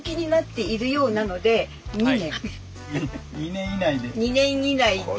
２年以内で。